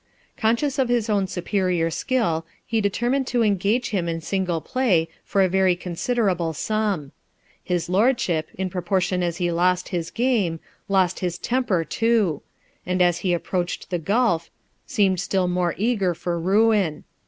Conscious of his own superior skill, he determined to engage him in single play for a very considerable sum. His lordship, in proportion as he lost his game, lost his temper too ; and as he approached the gulph, seemed still more eager for ruin.